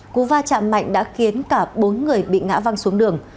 cú va chạm mạnh đã khiến cả bốn người bị ngã văng xuống đường